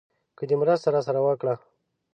که دې مرسته راسره وکړه.